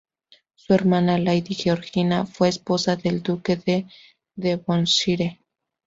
Su hermana Lady Georgiana fue esposa del duque de Devonshire.